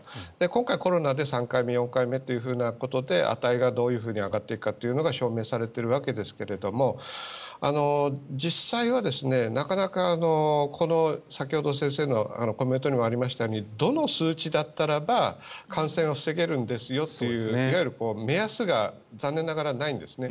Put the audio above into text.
今回、コロナで３回目、４回目ということで値がどういうふうに上がっていくのかが証明されているわけですが実際はなかなか先ほど先生のコメントにもありましたようにどの数値だったらば感染を防げるんですよといういわゆる目安が残念ながらないんですね。